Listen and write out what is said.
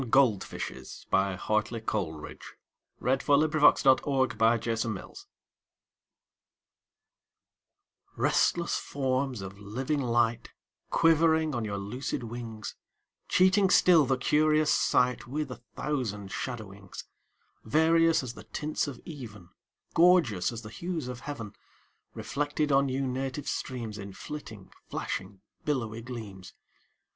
I J . K L . M N . O P . Q R . S T . U V . W X . Y Z Address to Certain Golfishes RESTLESS forms of living light Quivering on your lucid wings, Cheating still the curious sight With a thousand shadowings; Various as the tints of even, Gorgeous as the hues of heaven, Reflected on you native streams In flitting, flashing, billowy gleams!